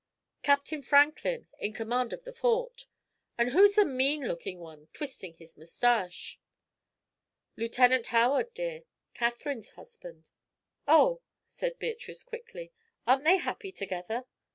"Captain Franklin, in command of the Fort." "And who's the mean looking one, twisting his mustache?" "Lieutenant Howard, dear Katherine's husband." "Oh!" said Beatrice, quickly. "Aren't they happy together?"